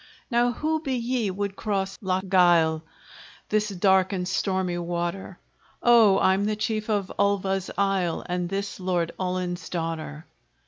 "Now who be ye, would cross Lochgyle, This dark and stormy water?" "O, I'm the chief of Ulva's isle, And this Lord Ullin's daughter.